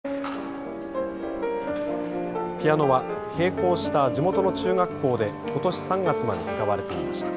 ピアノは閉校した地元の中学校でことし３月まで使われていました。